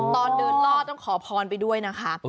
ตอนเดินล่อต้องขอพรไปด้วยนะคะ